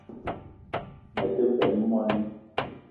Me te benn moni